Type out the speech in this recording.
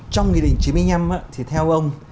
trong nghị định chín mươi năm thì theo ông